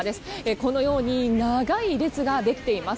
このように長い列ができています。